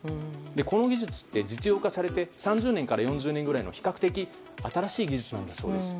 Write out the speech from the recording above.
この技術って実用化されて３０年から４０年の比較的新しい技術なんだそうです。